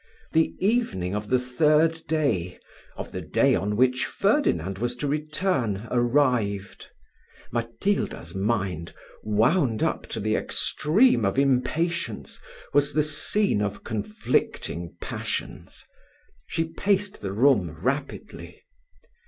The evening of the third day, of the day on which Ferdinand was to return, arrived. Matilda's mind, wound up to the extreme of impatience, was the scene of conflicting passions. She paced the room rapidly.